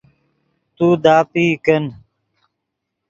تو داپئی کن